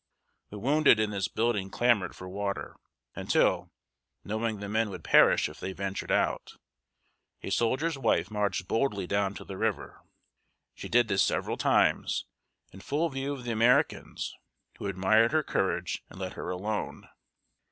The wounded in this building clamored for water, until, knowing the men would perish if they ventured out, a soldier's wife marched boldly down to the river. She did this several times, in full view of the Americans, who admired her courage and let her alone.